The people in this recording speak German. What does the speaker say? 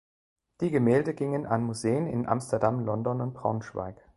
Die Gemälde gingen an Museen in Amsterdam, London und Braunschweig.